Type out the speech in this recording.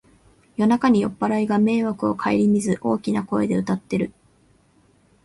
夜中に酔っぱらいが迷惑をかえりみず大きな声で歌ってる